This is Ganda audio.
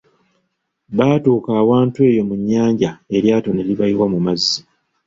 Baatuuka awantu eyo mu nnyanja eryato ne libayiwa mu mazzi.